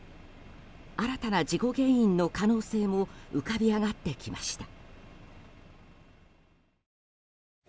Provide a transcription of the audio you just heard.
新たな事故原因の可能性も浮かび上がってきました。